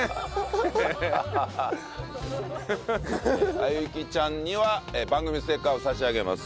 あゆきちゃんには番組ステッカーを差し上げます。